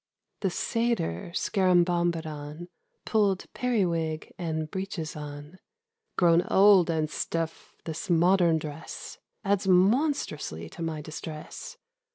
THE Satyr Scarabombadon Pulled periwig and breeches on :' Grown old and stiff, this modern dress Adds monstrously to my distress.